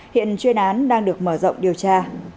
hiện chuyên án đang được mở rộng điều tra